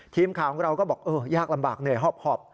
ทีมข่าวของเราก็บอกเออยากลำบากเหนื่อยหอบ